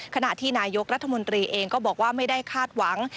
ขณะที่นายกรัฐมนตรีเองก็บอกว่าไม่ได้คาดหวัง